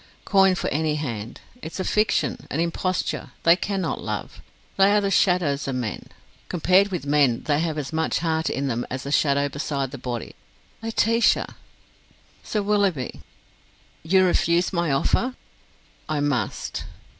Coin for any hand! It's a fiction, an imposture they cannot love. They are the shadows of men. Compared with men, they have as much heart in them as the shadow beside the body. Laetitia!" "Sir Willoughby." "You refuse my offer?" "I must."